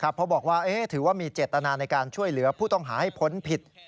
เพราะบอกว่าถือว่ามีเจตนาในการช่วยเหลือผู้ต้องหาให้พ้นผิด